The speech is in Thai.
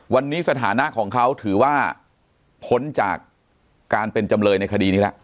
วันนี้สถานะของเขาถือว่าพ้นจากการเป็นจำเลยในคดีนี้แล้ว